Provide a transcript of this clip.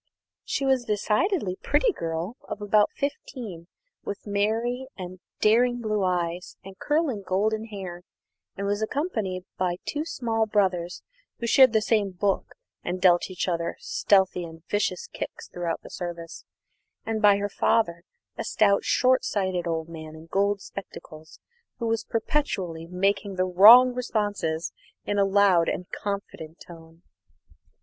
She was a decidedly pretty girl of about fifteen, with merry and daring blue eyes and curling golden hair, and was accompanied by two small brothers (who shared the same book and dealt each other stealthy and vicious kicks throughout the service), and by her father, a stout, short sighted old gentleman in gold spectacles, who was perpetually making the wrong responses in a loud and confident tone.